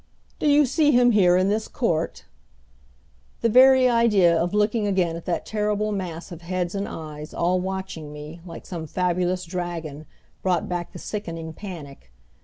"Do you see him here in this court?" The very idea of looking again at that terrible mass of heads and eyes, all watching me, like some fabulous dragon, brought back the sickening panic.